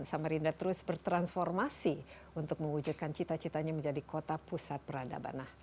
dan samarinda terus bertransformasi untuk mewujudkan cita citanya menjadi kota pusat peradaban